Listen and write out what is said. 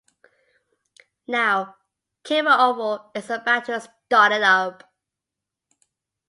Now Kemerovo is about to start it up.